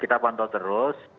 kita pantau terus